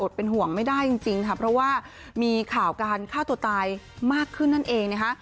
เป็นห่วงไม่ได้จริงค่ะเพราะว่ามีข่าวการฆ่าตัวตายมากขึ้นนั่นเองนะคะ